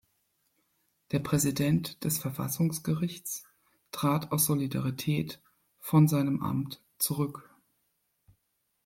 Der Präsident des Verfassungsgerichts trat aus Solidarität von seinem Amt zurück.